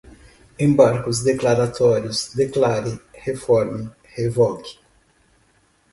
embargos declaratórios, declare, reforme, revogue